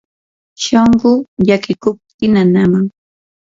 shunquu llakiykupti nanaman.